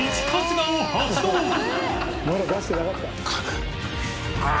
まだ出してなかった？